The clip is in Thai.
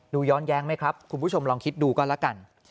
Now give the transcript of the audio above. ย้อนแย้งไหมครับคุณผู้ชมลองคิดดูก็แล้วกัน